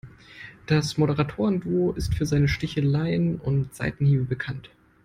Das Moderatoren-Duo ist für seine Sticheleien und Seitenhiebe bekannt.